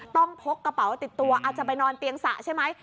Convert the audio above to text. พกกระเป๋าติดตัวอาจจะไปนอนเตียงสระใช่ไหม